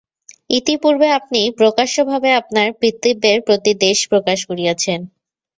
ইতিপূর্বে আপনি প্রকাশ্য ভাবে আপনার পিতৃব্যের প্রতি দ্বেষ প্রকাশ করিয়াছেন।